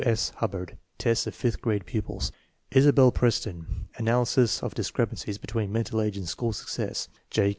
S. Hubbard (tests of fifth grade pupils); Isabel Preston (analysis of discrepancies between mental age and school success); J.